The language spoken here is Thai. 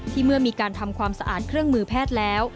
เมื่อมีการทำความสะอาดเครื่องมือแพทย์แล้ว